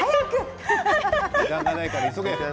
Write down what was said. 時間がないから急げ。